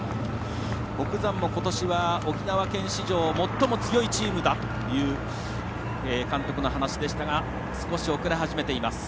北山も、沖縄県史上最も強いチームだという監督の話でしたが遅れています。